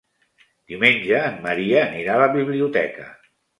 Diumenge en Maria anirà a la biblioteca.